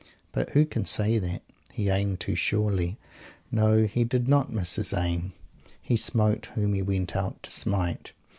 But who can say that? He aimed too surely. No, he did not miss his aim. He smote whom he went out to smite.